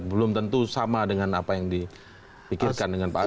belum tentu sama dengan apa yang dipikirkan dengan pak ahok